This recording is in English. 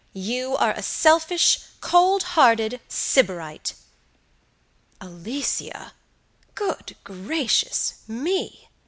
You are a selfish, cold hearted Sybarite" "Alicia! Goodgraciousme!"